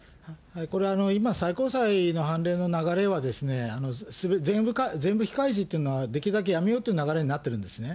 これ、今最高裁の判例の流れは全部非開示っていうのはできるだけやめようっていう流れになっているんですね。